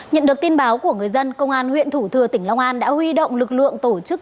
nhận được tin báo của người dân công an huyện thủ thừa tỉnh long an đã huy động lực lượng tổ chức